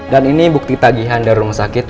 dan ini bukti tagihan dari rumah sakit